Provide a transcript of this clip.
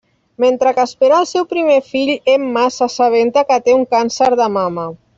Mentre que espera el seu primer fill, Emma s'assabenta que té un càncer de mama.